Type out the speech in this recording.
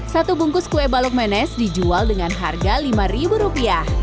satu bungkus kue balok menes dijual dengan harga rp lima